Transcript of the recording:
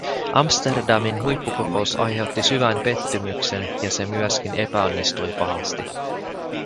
Amsterdamin huippukokous aiheutti syvän pettymyksen ja se myöskin epäonnistui pahasti.